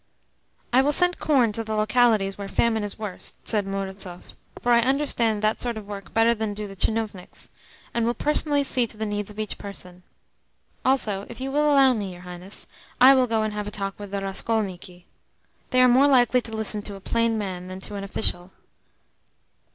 ] "I will send corn to the localities where famine is worst," said Murazov, "for I understand that sort of work better than do the tchinovniks, and will personally see to the needs of each person. Also, if you will allow me, your Highness, I will go and have a talk with the Raskolniki. They are more likely to listen to a plain man than to an official.